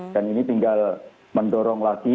dan ini tinggal mendorong lagi